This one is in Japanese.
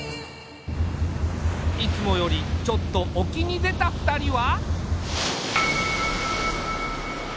いつもよりちょっと沖に出た２人は。